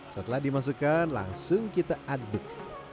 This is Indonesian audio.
setelah dimasukkan langsung kita aduk